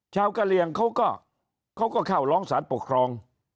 ชาวกะเลี่ยงเขาก็เข้าร้องศาลปกครอง